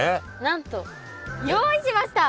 なんと用意しました。